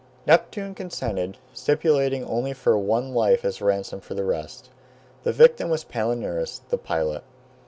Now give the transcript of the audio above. Neptune consented, stipulating only for one life as a ransom for the rest. The victim was Palinurus, the pilot.